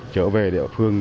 trở về địa phương